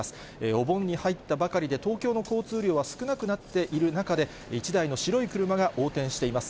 お盆に入ったばかりで、東京の交通量は少なくなっている中で、１台の白い車が横転しています。